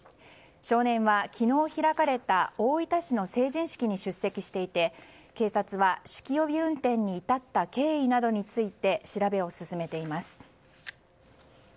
少年は昨日開かれた大分市の成人式に出席していて警察は、酒気帯び運転に至った経緯などについて調べを進めています。